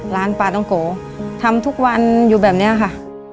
ร้านปลาต้องโกทำทุกวันอยู่แบบนี้ค่ะ